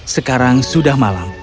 sekarang sudah malam